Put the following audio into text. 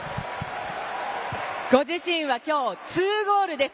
ご自身は今日２ゴールです。